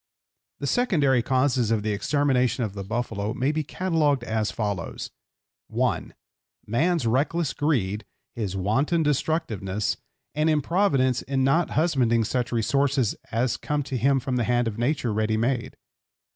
The secondary causes of the extermination of the buffalo may be catalogued as follows: (1) Man's reckless greed, his wanton destructiveness, and improvidence in not husbanding such resources as come to him from the hand of nature ready made.